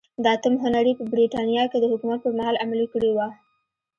د اتم هنري په برېټانیا کې د حکومت پرمهال عملي کړې وه.